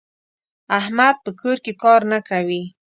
احمد په کور کې کار نه کوي.